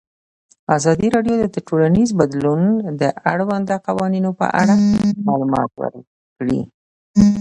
ازادي راډیو د ټولنیز بدلون د اړونده قوانینو په اړه معلومات ورکړي.